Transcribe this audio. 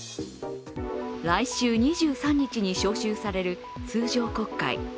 来週２３日に召集される通常国会。